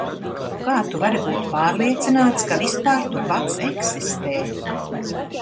Kā tu vari būt pārliecināts, ka vispār tu pats eksistē?